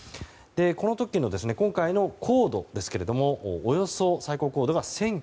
この時、今回の高度ですがおよそ最高高度が１０００ｋｍ。